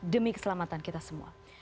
demi keselamatan kita semua